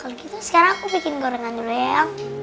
kalau gitu sekarang aku bikin gorengan dulu ya ayo